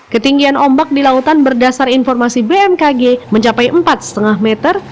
ketinggian ombak di lautan berdasar informasi bmkg mencapai empat lima meter